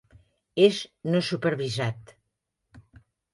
És no supervisat.